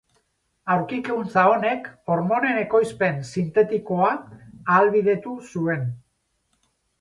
Aurkikuntza honek hormonen ekoizpen sintetikoa ahalbidetu zuen.